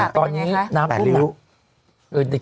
ตอนนี้น้ำกล้วนหนัก